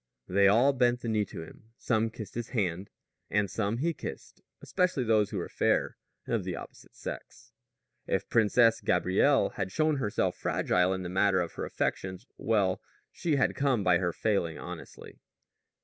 They all bent the knee to him. Some kissed his hand and some he kissed, especially those who were fair and of the opposite sex. If Princess Gabrielle had shown herself fragile in the matter of her affections, well, she had come by her failing honestly.